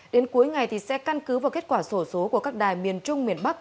đến cuối ngày sẽ căn cứ vào kết quả sổ số của các đài miền trung miền bắc